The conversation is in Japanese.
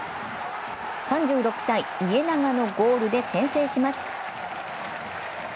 ３６歳・家長のゴールで先制します。